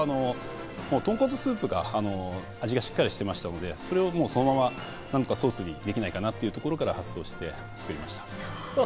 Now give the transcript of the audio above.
豚骨スープが味がしっかりしてましたので、それをそのまま何かソースにできないかなというところから発想して作りました。